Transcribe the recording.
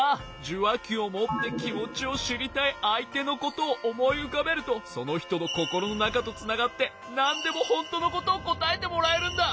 じゅわきをもってきもちをしりたいあいてのことをおもいうかべるとそのひとのココロのなかとつながってなんでもほんとのことをこたえてもらえるんだ。